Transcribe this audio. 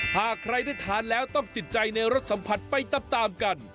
หากใครได้ทานแล้วต้องจิตใจในรสสัมผัสไปตามกัน